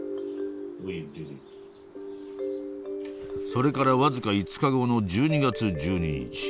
それから僅か５日後の１２月１２日。